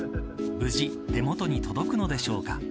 無事、手元に届くのでしょうか。